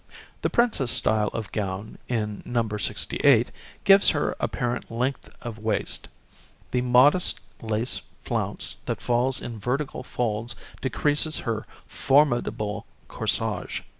The princesse style of gown, in No. 68, gives her apparent length of waist. The modest lace flounce that falls in vertical folds decreases her formidable corsage.